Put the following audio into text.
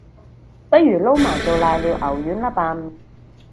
不如撈埋做瀨尿牛丸吖笨